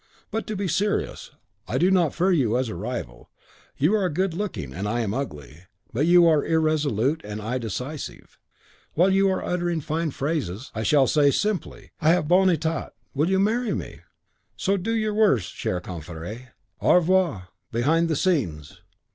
But to be serious, I do not fear you as a rival. You are good looking, and I am ugly. But you are irresolute, and I decisive. While you are uttering fine phrases, I shall say, simply, 'I have a bon etat. Will you marry me?' So do your worst, cher confrere. Au revoir, behind the scenes!"